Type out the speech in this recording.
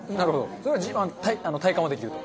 それは体感はできると。